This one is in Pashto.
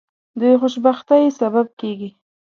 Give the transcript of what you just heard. د خوشبختی سبب کیږي.